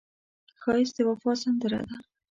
ښایست د وفا سندره ده